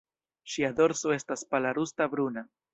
Ŝia dorso estas pala rusta-bruna.